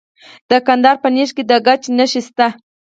د کندهار په نیش کې د ګچ نښې شته.